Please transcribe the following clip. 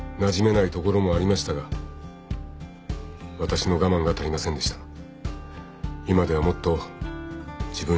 なじめないところもありましたがわたしの我慢が足りませんでした。